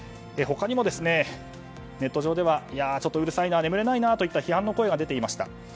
他にも、ネット上ではちょっとうるさいな眠れないなといった批判の声が出ていました。